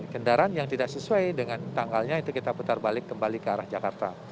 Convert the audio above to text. kendaraan yang tidak sesuai dengan tanggalnya itu kita putar balik kembali ke arah jakarta